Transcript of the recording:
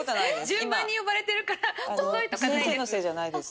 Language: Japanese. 順番に呼ばれてるから遅いとかないです。